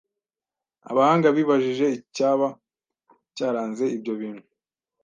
abahanga bibajije icyaba cyaranze ibyo bintu